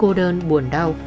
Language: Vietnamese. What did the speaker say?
cô đơn buồn đau